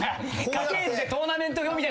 家系図でトーナメント表みたいに。